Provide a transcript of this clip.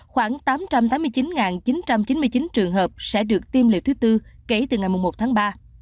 khoảng tám trăm tám mươi chín chín trăm chín mươi chín trường hợp sẽ được tiêm liệu thứ tư kể từ ngày một tháng ba